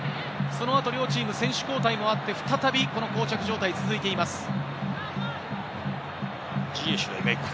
そのあと両チーム、選手交代もあって、再びこの膠着状態が続いています。